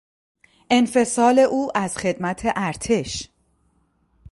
انفصال او از خدمت ارتش